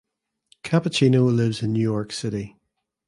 Cappuccino lives in New York City.